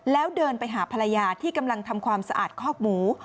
แล้วเดินไปหาภรรยาที่กำลังทำความสะอาดคอกหมู